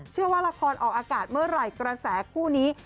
เชื่อว่าละครออกอากาศเมื่อไหร่กระแสคู่นี้